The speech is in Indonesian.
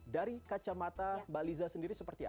dari kacamata mbak liza sendiri seperti apa